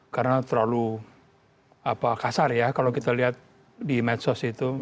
karena terlalu kasar ya kalau kita lihat di medsos itu